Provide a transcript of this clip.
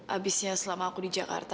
abisnya selama aku di jakarta